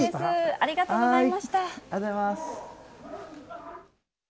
ありがとうございます。